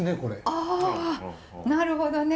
あなるほどね。